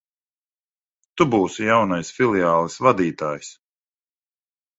Tu būsi jaunais filiāles vadītājs.